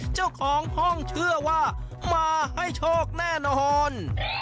เจ้าของห้องเชื่อว่ามาให้โชคแน่นอน